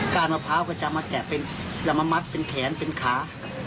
้านมะพร้าวก็จะมาแกะเป็นจะมามัดเป็นแขนเป็นขา